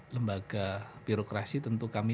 lembaga birokrasi tentu kami